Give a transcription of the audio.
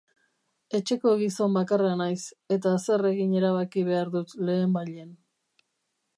Etxeko gizon bakarra naiz, eta zer egin erabaki behar dut lehenbailehen.